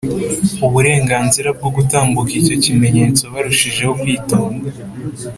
uburengazira bwo gutambuka icyo kimenyetso barushijeho kwitonda.